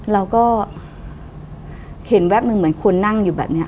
เราก็เห็นแวบหนึ่งเหมือนคนนั่งอยู่แบบนี้